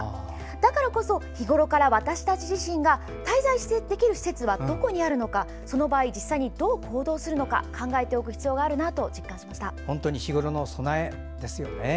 だからこそ日ごろから私たち自身が滞在できる施設はどこにあるか実際にどう対応するのか考えておく必要があるなと日ごろからの備えですね。